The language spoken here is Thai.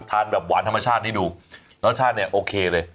ทานแบบหวานธรรมชาตินี้ดูน้องชาติเนี่ยโอเคเลย